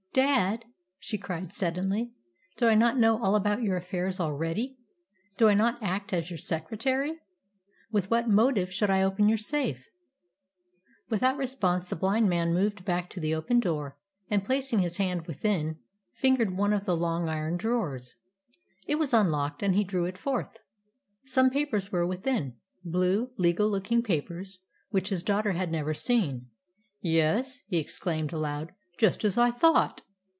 "Dad," she cried suddenly, "do I not know all about your affairs already? Do I not act as your secretary? With what motive should I open your safe?" Without response, the blind man moved back to the open door, and, placing his hand within, fingered one of the long iron drawers. It was unlocked, and he drew it forth. Some papers were within blue, legal looking papers which his daughter had never seen. "Yes," he exclaimed aloud, "just as I thought.